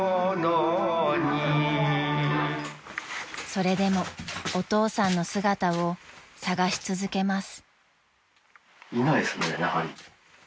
［それでもお父さんの姿を捜し続けます］